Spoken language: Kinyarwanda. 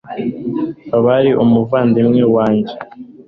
aba ari umuvandimwe wanjye